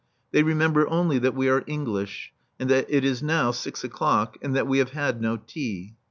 They remember only that we are English and that it is now six o'clock and that we have had no tea.